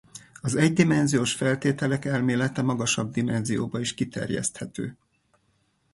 Az egydimenziós feltételek elmélete magasabb dimenzióba is kiterjeszthető.